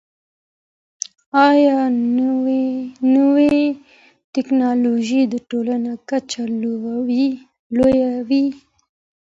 ايا نوې ټکنالوژي د تولید کچه لوړوي؟